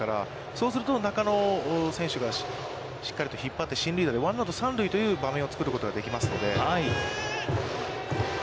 そうすると、中野選手がしっかりと引っ張って、進塁打でワンアウト、三塁という場面を作ることができますので。